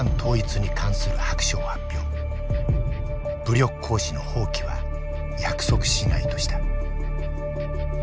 「武力行使の放棄は約束しない」とした。